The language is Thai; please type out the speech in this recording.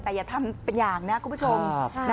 แต่อย่าทำเป็นอย่างนะคุณผู้ชม